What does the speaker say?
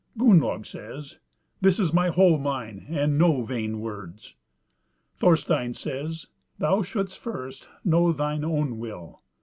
Gunnlaug says, "This is my whole mind, and no vain words." Thorstein says, "Thou shouldst first know thine own will.